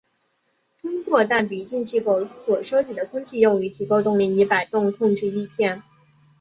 通过弹鼻进气口所收集的空气用于提供动力以摆动控制翼片。